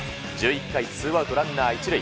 １１回ツーアウトランナー１塁。